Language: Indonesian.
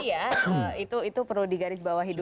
iya itu perlu di garis bawah hidup